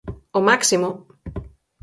¡O máximo!